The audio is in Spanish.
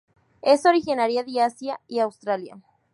Es originaria de Asia y Australia.